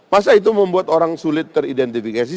masa itu membuat orang sulit teridentifikasi